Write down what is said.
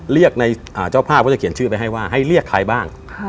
เรียกในเจ้าภาพเขาจะเขียนชื่อไปให้ว่าให้เรียกใครบ้าง